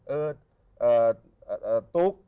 อ่ะตุ๊ก